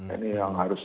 ini yang harus